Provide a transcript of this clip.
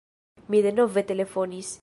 Mi denove telefonis.